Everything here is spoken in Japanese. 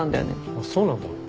あっそうなんだ。